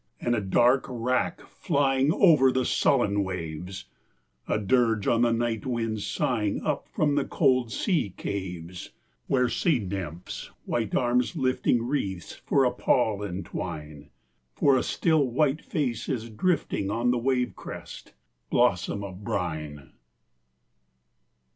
and a dark rack flying Over the sullen waves; A dirge on the night winds sighing Up from the cold sea caves Where sea nymphs white arms lifting Wreaths for a pall entwine For a still white face is drifting On the wave crest blossom of brine.